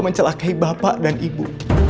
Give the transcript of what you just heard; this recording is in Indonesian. mencelakai bapak dan ibu